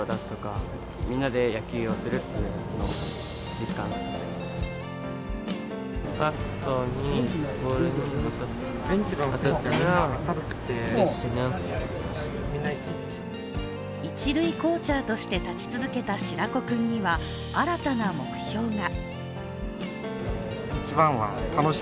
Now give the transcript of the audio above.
一緒に戦った他校の仲間は一塁コーチャーとして立ち続けた白子君には新たな目標が。